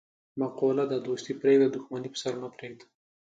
مقوله ده: دوستي پرېږده، دښمني په سر مه پرېږده.